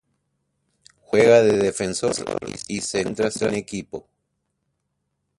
Juega de defensor y se encuentra sin equipo.